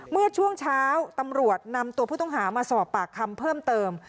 เมื่อช่วงเช้าตำรวจนำตัวผู้ต้องหามาสอบปากคำเพิ่มเติม